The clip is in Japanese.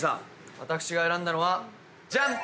私が選んだのはジャン！